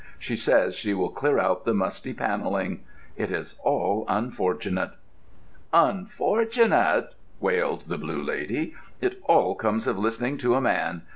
She says she will clear out the musty panelling. It is all unfortunate." "Unfortunate!" wailed the Blue Lady. "It all comes of listening to a man.